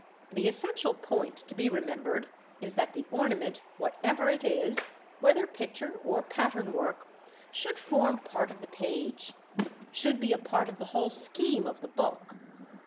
The essential point to be remembered is that the ornament, whatever it is, whether picture or pattern work, should form part of the page, should be a part of the whole scheme of the book.